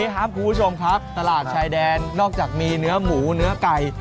ครับคุณผู้ชมครับตลาดชายแดนนอกจากมีเนื้อหมูเนื้อไก่